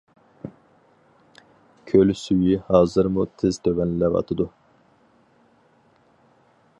كۆل سۈيى ھازىرمۇ تېز تۆۋەنلەۋاتىدۇ.